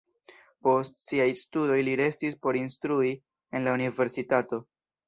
Post siaj studoj li restis por instrui en la universitato.